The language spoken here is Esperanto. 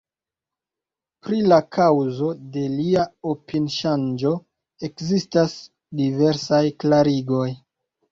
Pri la kaŭzo de lia opini-ŝanĝo ekzistas diversaj klarigoj.